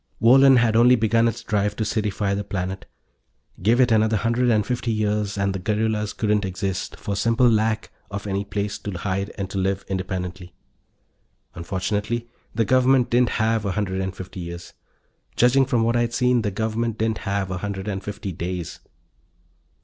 Wohlen had only begun its drive to citify the planet. Give it another hundred and fifty years and the guerrillas couldn't exist, for simple lack of any place to hide and to live independently. Unfortunately, the Government didn't have a hundred and fifty years. Judging from what I'd seen, the Government didn't have a hundred and fifty days.